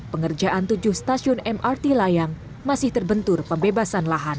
pengerjaan tujuh stasiun mrt layang masih terbentur pembebasan lahan